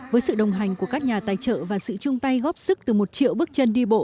với sự đồng hành của các nhà tài trợ và sự chung tay góp sức từ một triệu bước chân đi bộ